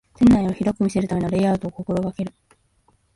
店内を広く見せるためのレイアウトを心がける